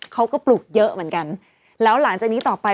ปลูกเยอะเหมือนกันแล้วหลังจากนี้ต่อไป